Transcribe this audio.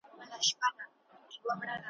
خالق دي مل سه ګرانه هیواده ,